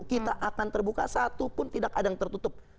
kita akan terbuka satu pun tidak ada yang tertutup